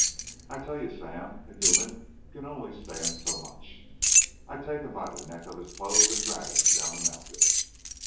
I tell you, Sam, a human can only stand so much. I takes him by the neck of his clothes and drags him down the mountain.